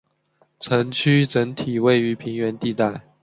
城区整体位于平原地带。